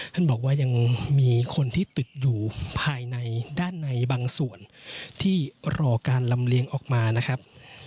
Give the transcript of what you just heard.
ท่านบอกว่ายังมีคนที่ติดอยู่ภายในด้านในบางส่วนที่รอการลำเลียงออกมานะครับ